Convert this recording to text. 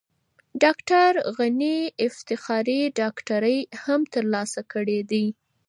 ډاکټر غني افتخاري ډاکټرۍ هم ترلاسه کړې دي.